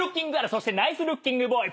そしてナイスルッキングボーイ。